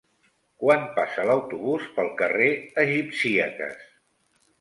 Quan passa l'autobús pel carrer Egipcíaques?